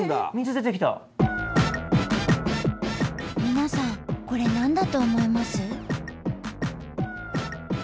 スタジオこれ何だと思います？